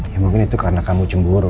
ya mungkin itu karena kamu cemburu